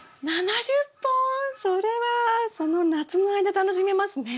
それはその夏の間楽しめますね。